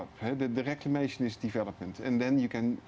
pembangunan adalah pembangunan